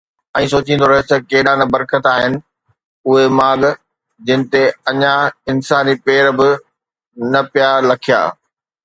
۽ سوچيندو رهيس ته ڪيڏا نه برڪت آهن اهي ماڳ، جن تي اڃا انساني پير به نه پيا لڪيا